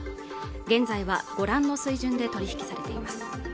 現在はご覧の水準で取引されています